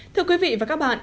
thưa quý vị và các bạn